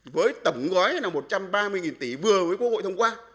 với tổng gói là một trăm ba mươi tỷ vừa với quốc hội thông qua